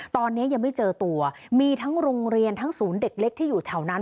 ตอนนี้ยังไม่เจอตัวมีทั้งโรงเรียนทั้งศูนย์เด็กเล็กที่อยู่แถวนั้น